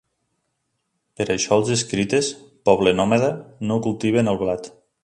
Per això els escites, poble nòmada, no cultiven el blat.